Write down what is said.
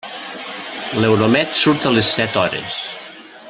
L'Euromed surt a les set hores.